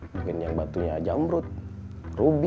mungkin yang batunya jamrut rubi